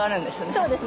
そうですね。